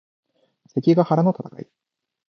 関ヶ原の戦い